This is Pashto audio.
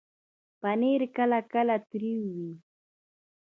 پنېر کله کله تریو وي.